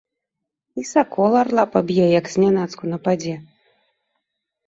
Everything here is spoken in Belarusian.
І сакол арла паб'е, як знянацку нападзе.